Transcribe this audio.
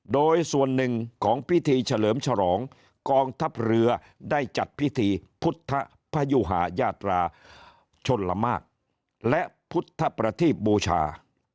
โดยส่วนหนึ่งของพิธีเฉลิมฉลองกองทัพเรือได้จัดพิธีพุทธพยุหายาตราชนละมากและพุทธประทีบบูชา